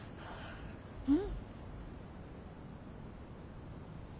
うん。